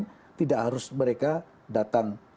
yang tidak harus mereka datang